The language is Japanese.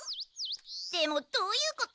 でもどういうこと？